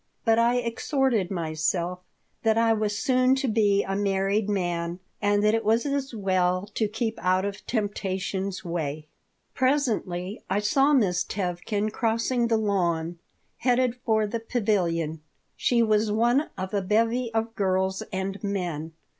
But I exhorted myself that I was soon to be a married man and that it was as well to keep out of temptation's way Presently I saw Miss Tevkin crossing the lawn, headed for the pavilion. She was one of a bevy of girls and men.